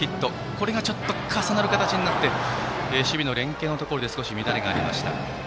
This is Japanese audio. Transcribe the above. これがちょっと重なる形になって守備の連係で乱れがありました。